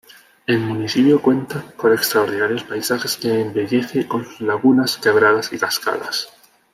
El municipio cuenta con extraordinarios paisajes que embellece con sus lagunas, quebradas y cascadas.